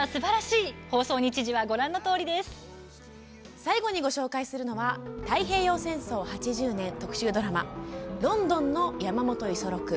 最後にご紹介するのは太平洋戦争８０年、特集ドラマ「倫敦ノ山本五十六」。